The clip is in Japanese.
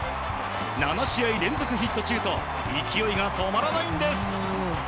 ７試合連続ヒット中と勢いが止まらないんです！